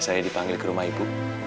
saya dipanggil ke rumah ibu